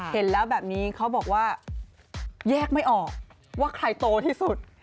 เห็นแล้วแบบนี้เขาบอกว่าแยกไม่ออกว่าใครโตที่สุด